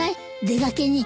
出がけに